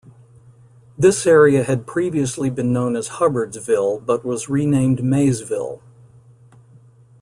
This area had previously been known as Hubbardsville but was renamed Maysville.